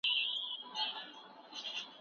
زده کوونکي باید تمرین وکړي.